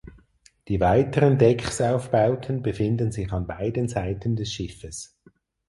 Die weiteren Decksaufbauten befinden sich an beiden Seiten des Schiffes.